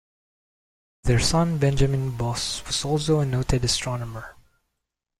Their son Benjamin Boss was also a noted astronomer.